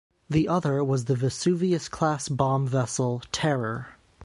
The other was the "Vesuvius"-class bomb vessel "Terror".